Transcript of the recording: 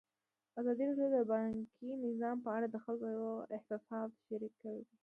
ازادي راډیو د بانکي نظام په اړه د خلکو احساسات شریک کړي.